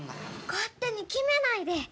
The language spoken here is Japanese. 勝手に決めないで。